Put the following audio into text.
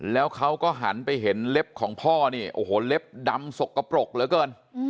แล้วเขาก็หันไปเห็นเล็บของพ่อเนี่ยโอ้โหเล็บดำสกปรกเหลือเกิน